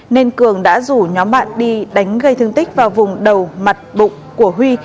nên cường đã rủ nhóm bạn đi đánh gây thương tích vào vùng đầu mặt bụng của huy